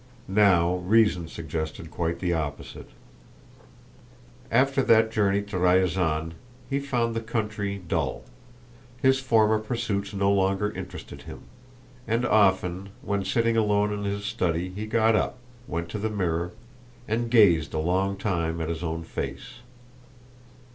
Now reason suggested quite the opposite. After that journey to Ryazán he found the country dull; his former pursuits no longer interested him, and often when sitting alone in his study he got up, went to the mirror, and gazed a long time at his own face.